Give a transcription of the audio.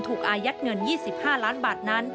อายัดเงิน๒๕ล้านบาทนั้น